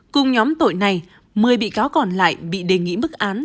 cùng nhóm tội này một mươi bị cáo còn lại bị đề nghị bức án